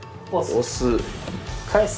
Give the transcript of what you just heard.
押す。